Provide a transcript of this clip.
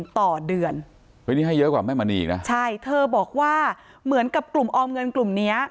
ต่อเดือนเฮ้ยนี่ให้เยอะกว่าแม่มณีอีกนะใช่เธอบอกว่าเหมือนกับกลุ่มออมเงินกลุ่มเนี้ย